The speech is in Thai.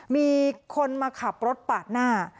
มีคนมาขับรถปาดหน้า